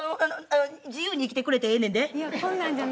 自由にしてくれてええねんで。